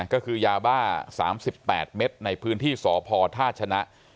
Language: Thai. ก็คือยาบ้า๓๘เม็ดในพื้นที่สพท่าชนะ